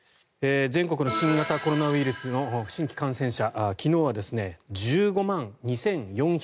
全国の新型コロナウイルスの新規感染者昨日は１５万２４５２人。